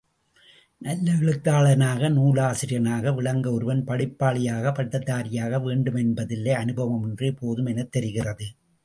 நல்ல எழுத்தாளனாக, நூலாசிரியனாக விளங்க ஒருவன் படிப்பாளியாக பட்டதாரியாக வேண்டுமென்பதில்லை அனுபவம் ஒன்றே போதும் எனத் தெரிகிறது.